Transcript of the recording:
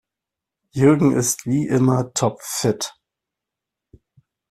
Jürgen ist wie immer topfit.